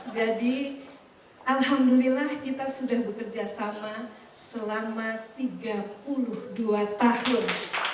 jadi alhamdulillah kita sudah bekerja sama selama tiga puluh dua tahun